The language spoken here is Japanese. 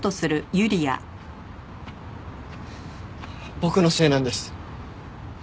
僕のせいなんです。